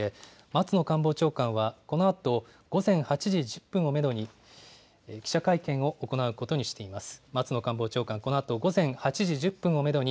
松野官房長官、このあと午前８時１０分をメドに、記者会見を行うことにしています。